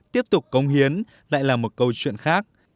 tiếp tục cống hiến lại là một câu chuyện khác